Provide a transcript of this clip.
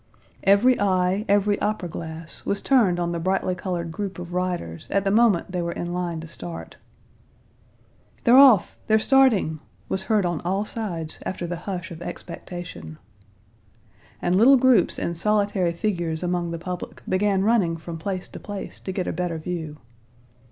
Every eye, every opera glass, was turned on the brightly colored group of riders at the moment they were in line to start. "They're off! They're starting!" was heard on all sides after the hush of expectation. And little groups and solitary figures among the public began running from place to place to get a better view.